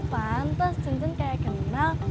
pantes cuncun kayak kenal